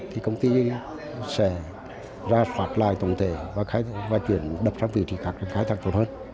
thì công ty sẽ ra phạt lại tổng thể và chuyển đập ra vị trí các khai thác tốt hơn